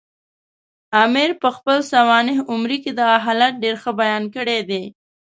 امیر پخپله سوانح عمري کې دغه حالت ډېر ښه بیان کړی دی.